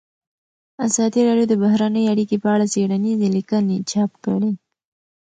ازادي راډیو د بهرنۍ اړیکې په اړه څېړنیزې لیکنې چاپ کړي.